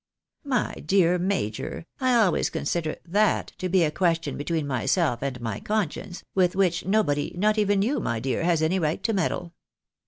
" My dear major, I always consider that to be a question between myself and my conscience, with which nobody, not even you, my dear, has any right to meddle.